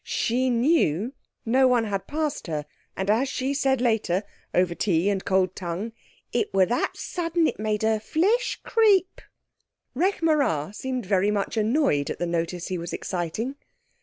She knew no one had passed her, and, as she said later, over tea and cold tongue, "it was that sudden it made her flesh creep." Rekh marā seemed very much annoyed at the notice he was exciting.